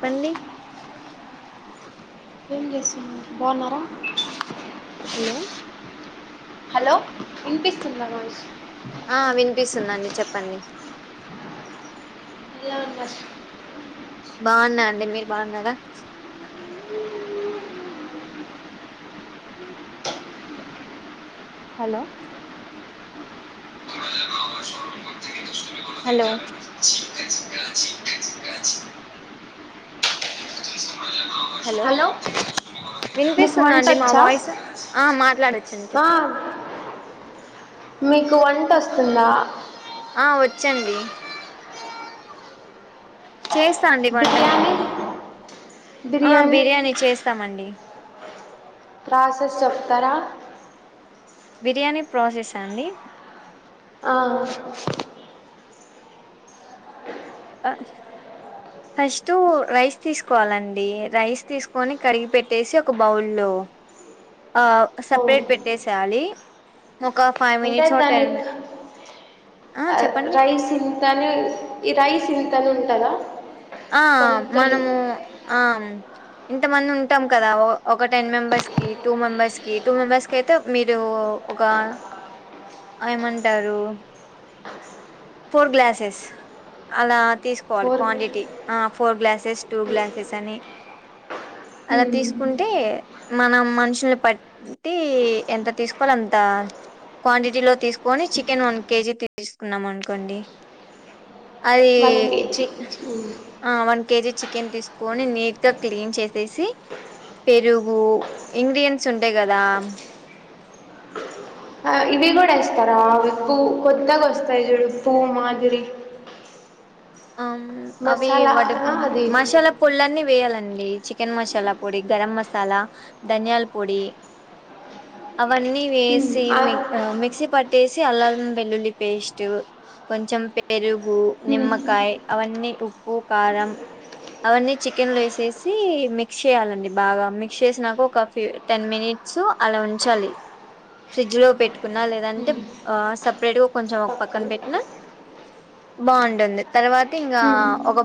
పంది ఏం చేస్తున్నారు బాగున్నారా హలో హలో వినిపిస్తుందా వాయిస్ ఆ వినిపిస్తుందండి చెప్పండి ఎలా ఉన్నారు బాగున్నా అండి మీరు బాగున్నరా హలో హలో హలో మీకు వినిపిస్తుందా వంట అండి మా వచ్చా వాయిస్ ఆ మాట్లాడొచ్చండి ఆ, చెప్పండి మీకు వన్ వంట వస్తుందా ఆ వచ్చు అండి చేస్తా అండి వంట బిర్యానీ మేము ఆ బిర్యానీ చేస్తామండి ప్రాసెస్ చెప్తారా బిర్యానీ ప్రాసెస్సా అండి ఆ ఫస్ట్ రైస్ తీసుకోవాలండి రైస్ తీసుకొని కడిగి పెట్టేసి ఒక బౌల్ లో ఆ అవును సపరేట్ పెట్టేసేయాలి ఒక ఫైవ్ అంటే మినిట్స్ ఓ దాని టెన్ మిని ఆ చెప్పండి రైస్ ఇంతని ఈ రైస్ ఇంతని ఉండి కదా ఆ మనము ఆ ఇంతమంది ఉంటాం కదా ఒక టెన్ మెంబెర్స్ కి టూ మెంబర్స్ కి టూ మెంబర్స్ కి అయితే మీరు ఒక ఏమంటారు ఫోర్ గ్లాసెస్ అలా తీసుకోవాలి ఫోర్ క్వాంటిటీ ఆ ఫోర్ గ్లాసెస్ టూ గ్లాసెస్ అని అలా తీసుకుంటే మనం మనుషుల్ని బట్టి ఎంత తీసుకోలో అంత క్వాంటిటీలో తీసుకొని చికెన్ వన్ కేజీ తీసుకున్నాం అం కొండి అది వన్ కేజీ పిక్ ఉమ్. ఆ వన్ కేజీ చికెన్ తీసుకొని నీట్ గా క్లీన్ చేసేసి పెరుగు ఇంగ్రిడియంన్ట్స్ ఉంటాయి కదా ఆ ఇవి కూడా ఎస్త తరా అవి పూ కొత్తగా వస్తాయి చూడు పూ మాదిరి ఆమ్ అవి మసాలా వడ ఆ అది మసాలా పొళ్ళు అన్నీ వేయాలండి ఉమ్ చికెన్ మసాలా పొడి గరం మసాలా ధనియాల పొడి అవన్నీ వేసి మి ఆ మిక్సీ పట్టి వేసి అల్లంవెల్లుల్లి పేస్ట్ కొంచెం పెరుగు హ నిమ్మకాయ అవన్నీ ఉప్పు కారం అవన్నీ చికెన్లో వేసేసి మిక్స్ చేయాలండి బాగా మిక్స్ చేసినాక ఒక ఫి్ టెన్ మినిట్స్ అలా ఉంచాలి ఫ్రిడ్జ్ లో పెట్టుకున్నా లేదంటే హ్మ్ సపరేట్గా కొంచెం ఒక పక్కన పెట్టినా బాగుంటుంది తర్వాత ఇంకా హ్మ్ ఒక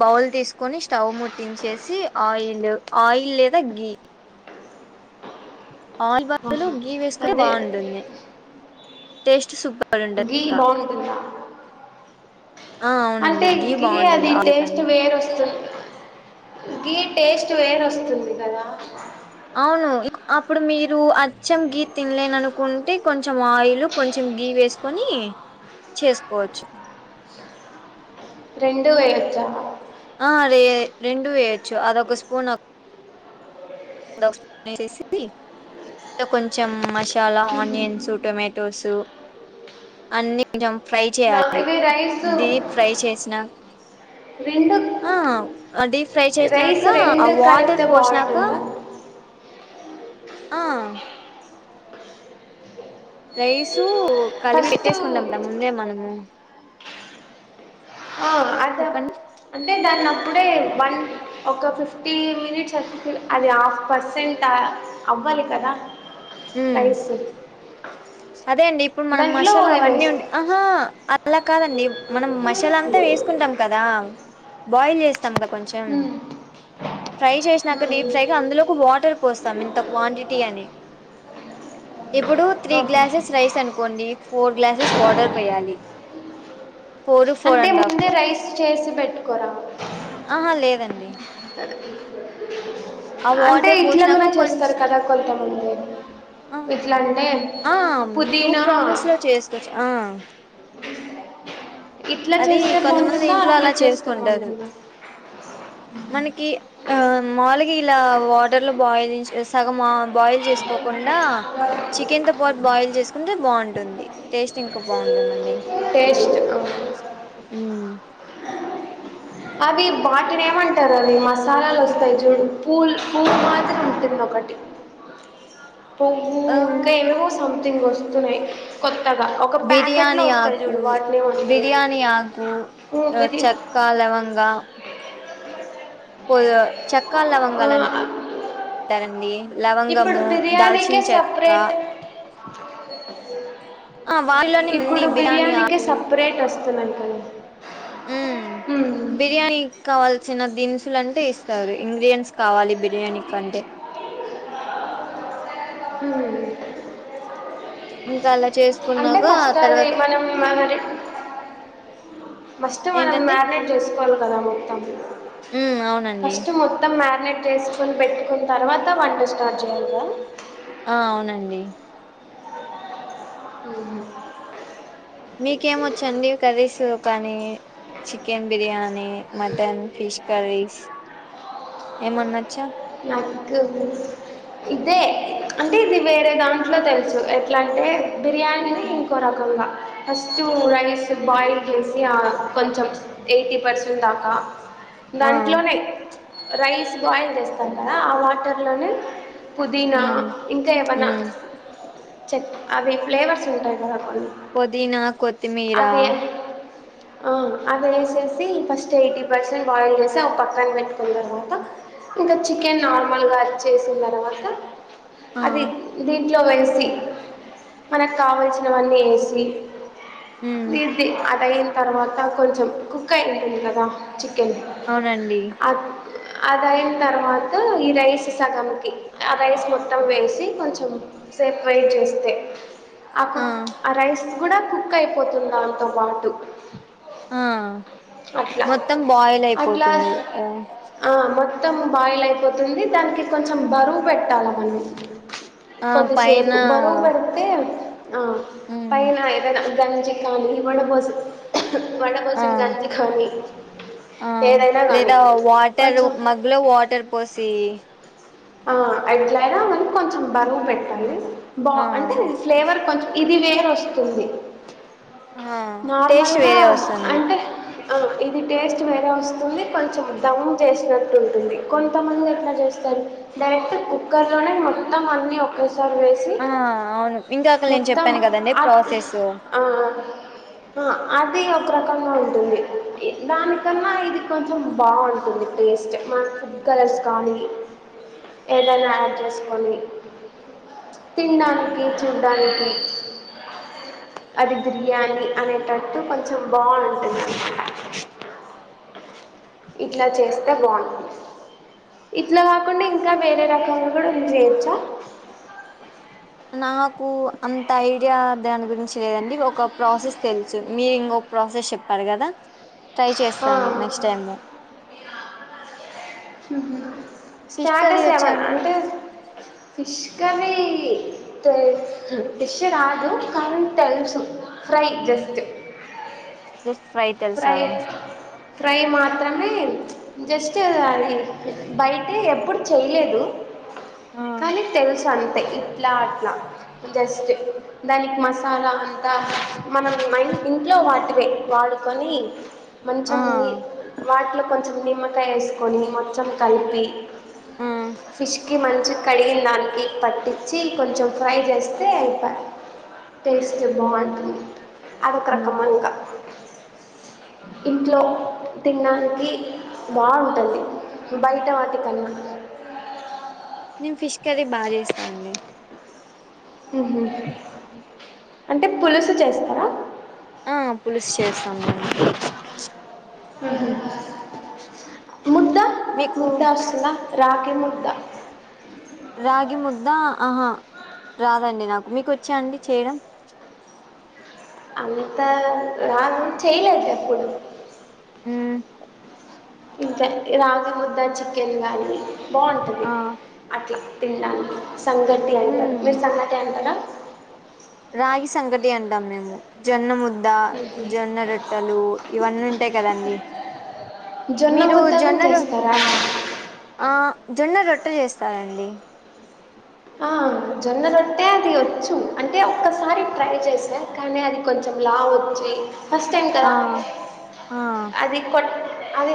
బౌల్ తీసుకొని స్టవ్ ముట్టించేసి ఆయిల్ ఆయిల్ లేదా గీ ఆయిల్ బదులు ఆహా గీ గీ వేసుకుంటే అదే బాగుంటుంది టెస్ట్ సుపర్ గీ బాగుంటుందా ఆ అవునండి గీ తగి బాగుంటుంది అది ఆయిల్ టేస్ట్ కన్నా వేరుొస్తుంది గీ టేస్ట్ వేరొస్తుంది కదా అవును అప్పుడు మీరు అచ్చం గీ తినలేన అనుకుంటే కొంచెం ఆయిల్ కొంచెం గీ వేసుకొని చేసుకోవచ్చు రెండు వెయ్యొచ్చా అదిే రెండు వేయొచ్చు అదొక స్పూన్ అదొక స్పూన్ కొంచెం మసాలా ఆనియన్స్ టొమాటోసు అన్ని కొంచెం ఫ్రై నా చేయాలి ఇవి రైస్ దీప్ ఫ్రై చేసిన రెండు ఆ అది ఫ్రై చేసినాక రైస్ ఆ రెండు వాటర్ కలిపితే పోసినాక బాగుంటుందా ఆ రైసు కలిపి ఫస్ట్ పెట్టేసుకుంటాం గా ముందే మనము ఆ అద చెప్పండి అంటే దాన్ని అప్పుడే వన్ ఒక ఫిఫ్టీ మినిట్స్ అ అది హాఫ్ పర్సెంట్ అవ్వాలి కదా ఉమ్ రైసు అదే అండి ఇప్పుడు మనం మసాలా అవన్నీ ఉన్ ఆహా అలా కాదండి మనం మసాలా అంతా వేసుకుంటాం కదా బాయిల్ చేస్తాం కదా కొంచెం మ్మ్ ఫ్రై చేసినాక డీప్ ఫ్రైగా అందులోకి వాటర్ పోస్తాం ఇంత క్వాంటిటీ అని ఇప్పుడు త్రీ ఆహా గ్లాసెస్ రైస్ అనుకోండి ఫోర్ గ్లాసెస్ వాటర్ పోయాలి ఫోర్ ఫోర్ అండ్ హాఫ్ తీసి పెట్టుకోరా ఆహా లేదండి ఆ అంటే వాటర్ పోసి ఇట్లా కూడా చేస్తారు కదా కొంతమంది ఇట్లాంటే ఆ టూ ప్రాసెస్ లో చేసుకోవచ్చు ఆ ఇట్లా అది చేస్తే కొంతమంది బాగుంటుందా ఇంట్లో అట్లా అలా చేస్తే చేసుకుంటారు బాగుంటుందా మనకి ఆ మాములుగా ఇలా వాటర్ లో బాయిల్ చెస్ సగం బాయిల్ చేసుకోకున్ కుండ చికెన్ తో పాటు బాయిల్ చేసుకుంటే బాగుంటుంది టేస్ట్ ఇంకా బాగుంటుందండి. టేస్ట్ కు ఊ అవి వాటిని ఏమంటారు అది మసాలాలు వస్తాయి చూడు పూల్ పువ్వు మాదిరి ఉంటుంది ఒకటి పువ్వు ఆ ఇంకా ఏవేవో సంథింగ్ వస్తున్నాయి కొత్తగా ఒక ప్యాకెట్ లో బిర్యానీ వస్తాయి ఆకు చూడు వాటినే వండుతారు బిర్యానీ ఆకు [inaudible] గా పోధవ్ చెక్ ఇంకా లావలంగాలండ్ ఆ ఉంటారండి ఇప్పుడు బిర్యానికే సప్రెట్ ఆ వాటిలోనే అన్ని ఇప్పుడు బిర్యానీ బిర్యానీకే సపరేట్ వస్తున్నది కదా హ్ హ్మ్ బిర్యానీ కావాల్సిన దినుసులు అంటే ఇస్తారు ఇంగ్రీడియంట్స్ కావాలి బిర్యానీకి అంటే హ్మ్ ఇంకా అలా చేస్త్ అంటే ఫస్ట్ ఆది మనం మామెరి ఫస్ట్ మనం ఏంటండి మ్యారినేట్ చేసుకోవాలి కదాం ఉమ్ [unintelligible] అవునండి ఫస్ట్ మొత్తం మ్యారినేట్ చేసుకుని పెట్టుకుని తర్వాత వంట స్టార్ట్ చేయ్యాలిరా ఆ అవునండి హ్మ్ మీకేమొచ్చండి కర్రీస్ కానీ chicken biryani mutton fish curries ఏమనచ్చా నాకు ఇదే అంటే ఇది వేరే దాంట్లో తెలుసు ఎట్లా అంటే బిర్యానీని ఇంకో రకంగా ఫస్టు రైస్ బాయిల్ చేసి కొంచెం ఎయిటీ పర్సెంట్ దాకా ఆ దాంట్లోనే రైస్ బాయిల్ చేస్తాం కదా అ వాటర్లోనే పుదీనా ఉమ్ ఇంకా ఏమైనా ఉమ్ చె అవి ఫ్లేవర్స్ ఉంటాయి కదా కొన్ని పుదీనా కొత్తిమీరా అది వేసేసి ఫస్ట్ ఎయిటీ పర్సెంట్ బాయిల్ చేసి పక్కన పెట్టుకున్న తర్వాత ఇంకా చికెన్ నార్ అమలు గారు చేసిన తర్వాత ఆ అది దీ ఇంట్లో వేసి మనకు కావల్సినవన్నీ వేసి ఉమ్ [unintelligible] అయిన తర్వాత కొంచెం కుక్ అయి ఉంటుంది కదా చికెన్ అవునండి అ అదయిన తర్వాత ఇ రైస్ సగంకి ఆ రైస్ మొత్తం వేసి కొంచెం సేపరేట్ చేస్తే ఆ రైయిస్ కూడా కుక్ అయిపోతుంది దాంతో పాటు ఆ అట్లా మొత్తం బాయిల్ అయిపోతుంది ఆ మొత్తము బాలైయిపో అతుంది దానికి కొంచెం బరువు పెట్టాలి ఆ పైన కొద్దిసేపు బరువు పడితే ఆ ఉమ్ పైనాద గంజే కాంచకొండ పోసి [unintelligible] ఆ వండభోసింనా గంజి కానీ ఆ ఏదైనా కానీ లేదా కొంచెం ది ఆ ఎట్లైనా మనంకొంచెం బరువు పెట్టాలి బా ఆ అంటే ఓకే ఫ్లేవర్ కొంచెం ఇది వే వస్తుంది ఆ టేస్ట్ నార్మల్గా వేరే వస్తుంది. అంటే ఇది టేస్ట్ వేరే వస్తుంది. కొంచెం దమ్ చేసినట్టుంటుంది. కొంతమంది ఎట్లా చేస్తారు. డైరెక్టు కుక్కర్లోనే మొత్తం అన్నీ ఒకేసారీ వేసి ఆ అవును ఇందాక నేను మొత్తం చెప్పాను కదండి ప్రాసెస్ ఆ ఆ అది ఒక రకంగా ఉంటుంది. దానికన్నా ఇది కొంచెం బాగుంటుంది. టేస్ట్ మ ఫుడ్ కలర్స్ కానీ ఏదైనా యాడ్ చేసుకొని తినడానికి చూడ్డానికి, అది బిర్యానీ అనేటట్టు కొంచెం బాగుంటుంది. ఇట్లా చేస్తే బాగుంటుంది. ఇట్లా ఉంది ఇంకా వేరే రకంగా కూడా చేయించా నాకు అంత ఐడియా దాని గురించి లేదండి. ఒక ప్రాసెస్ తెలుసు. మీరు ఇంకొక ప్రాసెస్ చెప్పారు కదా. ట్రై చేస్తాను next time fish curry status వచ్చా ఎవన్ అండి అంటే మీకు ఫిష్ కర్రీ ఫిష్ రాదు కానీ తెలుసు ఫ్రై జస్ట్ ఫిష్ తెలుసా ఫ్రై ఫ్రై మాత్రం కానీ జస్ట్ అది బయట ఎప్పుడు చేయ్యిలేదు. ఆ కానీ తెలుసు అంత ఇట్లా అట్లా జస్ట్ దానికి మసాలా అంట మా ఇంట్లో వాటివే మనీ ఆ మంచంని వాటిలో కొంచెం నీ నిమ్మకాయ వేసుకొని మొత్తం కలిపి ఆ ఫిష్ కి మంచిగా కడిగిన దానికి పట్టించి కొంచెం ఫ్రై చేస్తే అయిప టేస్ట్ బాగుంటుంది. అది ఒక ఆ రక మంకా ఇంట్లో తినడానికి బాగుంటుంది బయట వాటి కన్నా నేను ఫిష్ అది బాగా చేస్తా అండి ఉహు అంటే పులుసు చేస్తారా ఆ పులుసు చేస్తాం మేము ఉహు ముద్ద మీకు ముద్ద వస్తదా రాకిీ ముద్ద రాగి ముద్ద ఆహా రాదండి నాకు మీకు వచ్చాండి చేయడం అంత రాదు చేయలేదు ఎప్పుడు హ్మ్ ఉ ఇంత రాగి ముద్దా చికెన్ కానీ బాగుంటది ఆ అట్లా తిండానికి సంగటి అంటారు. ఉమ్ మీరు సంగటి అంటారా రాగి సంగాటి అంటాం మేము జొన్నం వద్ద జొన్న రొట్టెలు ఇవన్నీ ఉంటాయి కదండి జొన్న మీరు ముద్ద కూడా జొన్న రొ చేస్తారా ఆ జొన్న రొట్ట చేస్తారంండి ఆ జొన్న రొట్టే అది వచ్చు అంటే ఒక్కసారి ట్రై చేసా కానీ అది కొంచెం లావు వచ్చియి ఫస్ స్టైండ్ ఆ కదా ఆ అది కొట్ అది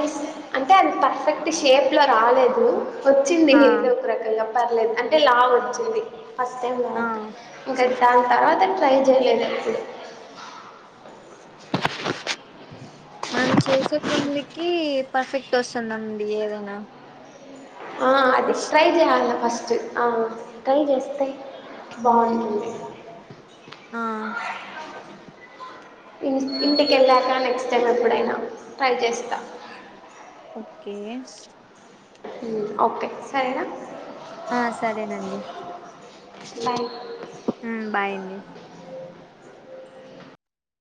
అంటే అది పర్ఫెక్ట్ షేప్ లో రాలేదు వచ్చింది ఆ ఏదో ఒక రకంగా పర్లేదు అంటే లా వచ్చది ఫస్ట్ టైం ఆ బంది ఇంకా దాని తర్వాత పై చేయలేదు అని చేసే కొందుకి పర్ఫెక్ట్ వస్తుందంండి ఏదైనా ఆ అది ట్రై చేయాల ఫస్ట్ ట్రై చేస్తే బాగుంటుంది ఆ ఇంటికి వెళ్ళాక నెక్స్ట్ టైం ఎప్పుడైనా ట్రై చేస్తా ఓకే ఓకే సరేనా ఆ సరేనండి లై ఆమ్ బాయ్ అండి